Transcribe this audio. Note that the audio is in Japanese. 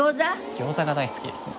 餃子が大好きですね。